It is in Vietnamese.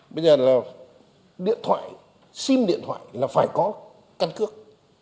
bây giờ là điện thoại sim điện thoại là phải có căn cước